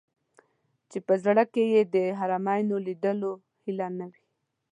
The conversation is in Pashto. چې په زړه کې یې د حرمینو لیدلو هیله نه وي.